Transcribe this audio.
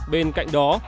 bên cạnh đó